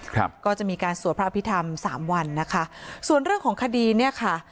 ครับก็จะมีการสวดพระอภิษฐรรมสามวันนะคะส่วนเรื่องของคดีเนี้ยค่ะ